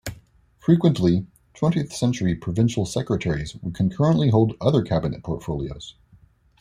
Frequently, twentieth-century Provincial Secretaries would concurrently hold other cabinet portfolios.